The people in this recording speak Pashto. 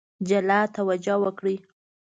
جلا توجه وکړي.